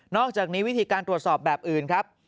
อกจากนี้วิธีการตรวจสอบแบบอื่นครับ